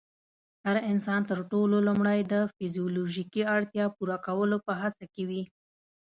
هر انسان تر ټولو لومړی د فزيولوژيکي اړتیا پوره کولو په هڅه کې وي.